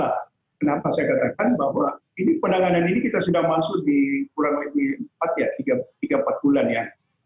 kenapa saya katakan bahwa penanganan ini kita sudah masuk di kurang lebih empat ya tiga empat bulan ya